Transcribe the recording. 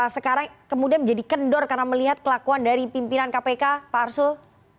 sekarang kemudian menjadi kendor karena melihat kelakuan dari pimpinan kpk pak arsul